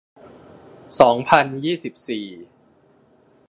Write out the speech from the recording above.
สองพันยี่สิบสี่